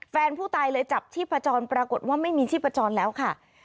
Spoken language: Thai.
แฟนผู้ตายเลยจับที่ประจอนปรากฏว่าไม่มีที่ประจอนแล้วค่ะ